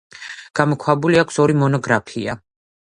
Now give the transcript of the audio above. გამოქვეყნებული აქვს ორი მონოგრაფია.